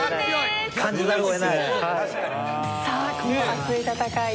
さあこの熱い戦い